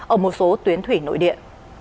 ở một số tuyến thủy nội địa